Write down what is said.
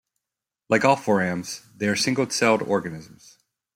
Like all Forams, they are single-celled organisms.